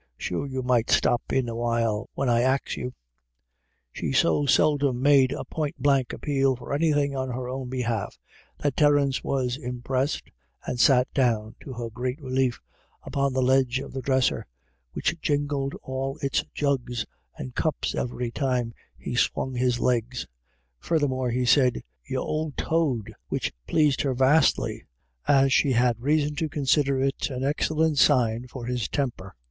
Sure you might stop in a while when I ax you/' She so seldom made a point blank appeal for anything on her own behalf, that Terence was impressed, and sat down, to her great relief, upon the ledge of the dresser, which jingled all its jugs and cups every time he swung his legs. Further more he said, "Y'ould toad," which pleased her vastly, as she had reason to consider it an excellent sign for his temper.